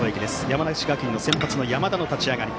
山梨学院の先発の山田の立ち上がり。